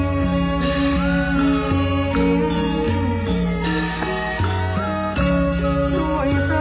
ทรงเป็นน้ำของเรา